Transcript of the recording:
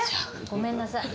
ごめんなさい。